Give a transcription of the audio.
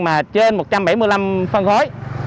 mà trên một trăm bảy mươi năm cm khối